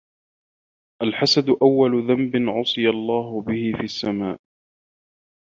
الْحَسَدُ أَوَّلُ ذَنْبٍ عُصِيَ اللَّهُ بِهِ فِي السَّمَاءِ